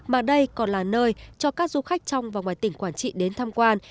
mà đây còn là nơi cho các du khách trong và ngoài tỉnh quảng trị đến tham quan